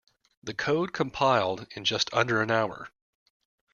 The code compiled in just under an hour.